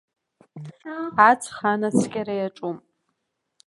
Аҵх анаскьара иаҿуп.